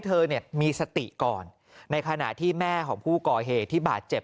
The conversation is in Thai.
เธอเนี่ยมีสติก่อนในขณะที่แม่ของผู้ก่อเหตุที่บาดเจ็บ